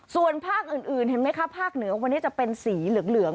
ส่วนภาคอื่นเห็นไหมคะภาคเหนือวันนี้จะเป็นสีเหลือง